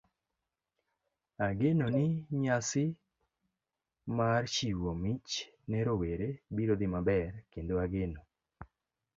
Ageno ni nyasi mar chiwo mich ne rowerewa biro dhi maber, kendo ageno